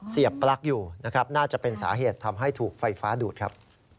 เสียบปลั๊กอยู่นะครับน่าจะเป็นสาเหตุทำให้ถูกไฟฟ้าดูดครับ